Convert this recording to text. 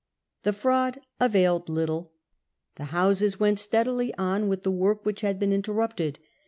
The fraud availed little. The Houses went steadily on with the work which had been interrupted.